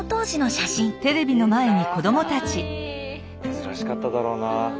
珍しかっただろうな。